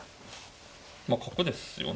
まあ角ですよね。